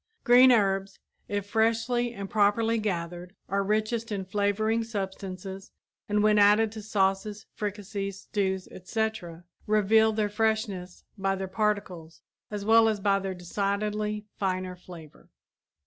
Green herbs, if freshly and properly gathered, are richest in flavoring substances and when added to sauces, fricassees, stews, etc., reveal their freshness by their particles as well as by their decidedly finer flavor.